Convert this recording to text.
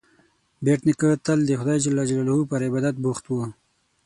بېټ نیکه تل د خدای جل جلاله پر عبادت بوخت و.